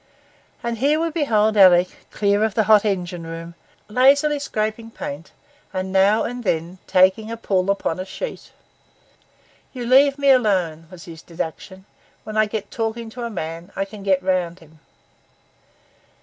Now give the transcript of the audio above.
And hence we behold Alick, clear of the hot engine room, lazily scraping paint and now and then taking a pull upon a sheet. 'You leave me alone,' was his deduction. 'When I get talking to a man, I can get round him.